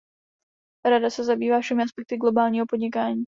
Rada se zabývá všemi aspekty globálního podnikání.